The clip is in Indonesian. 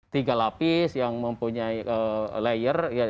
tiga lapis yang mempunyai layer